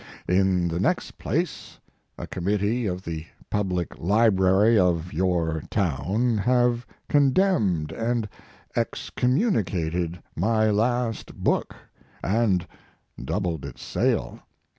In the next place, a committee of the public library of your town have condemned and excommuni cated my last book and doubled its sale.